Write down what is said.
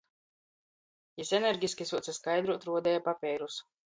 Jis energiski suoce skaidruot, ruodeja papeirus.